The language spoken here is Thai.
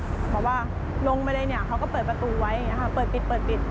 เพราะว่าลงไปเลยเนี่ยเขาก็เปิดประตูไว้เปิดปิด